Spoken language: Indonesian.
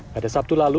pada sabtu lalu